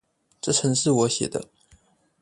這程式我寫的